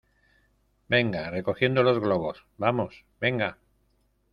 venga, recogiendo los globos. ¡ vamos , venga!